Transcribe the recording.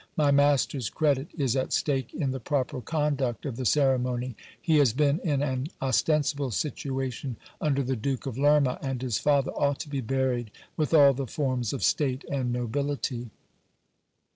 My master's credit is at stake in the proper conduct of the ceremony ; he has been in an ostensible situation under the Duke of Lerma, and his father ought to be buried with all the forms of state ani nobility.